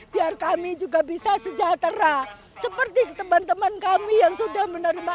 biar kami juga bisa sejahtera seperti teman teman kami yang sudah menerima sk sepuluh tahun yang lalu